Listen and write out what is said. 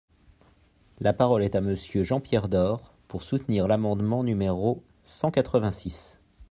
La parole est à Monsieur Jean-Pierre Door, pour soutenir l’amendement numéro cent quatre-vingt-six.